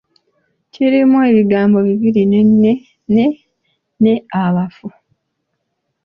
Kirimu ebigambo bibiri ‘ne’ ne ‘abafu.’